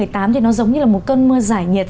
thì nó giống như là một cơn mưa giải nhiệt